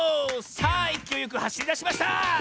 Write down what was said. さあいきおいよくはしりだしました！